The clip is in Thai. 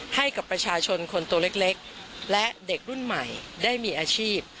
ให้กับประชาชนคนตัวเล็กและเด็กรุ่นใหม่ได้มีอาชีพ